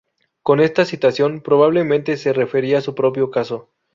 Con esta citación, probablemente se refería a su propio caso.